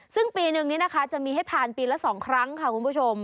ซึ่งปีนึงนี้นะคะจะมีให้ทานปีละ๒ครั้งค่ะคุณผู้ชม